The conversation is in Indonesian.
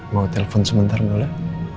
mau telpon sebentar dulu deh